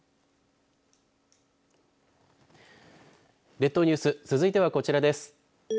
列島ニュース続いてはこちらです。